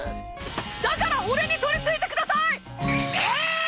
だから俺にとりついてください！え！？